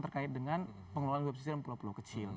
terkait dengan pengelolaan web pesisir pulau pulau kecil